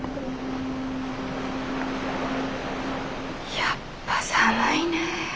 やっぱ寒いね。